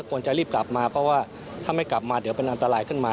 ควรจะรีบกลับมาเพราะว่าถ้าไม่กลับมาเดี๋ยวเป็นอันตรายขึ้นมา